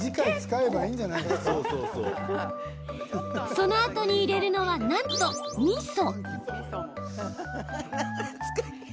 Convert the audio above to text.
そのあとに入れるのはなんと、みそ。